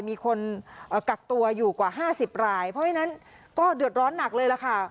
มีคนกักตัวอยู่กว่า๕๐รายเพราะฉะนั้นก็เดือดร้อนหนักเลยล่ะค่ะ